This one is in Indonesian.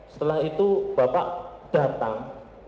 setelah itu bapak datang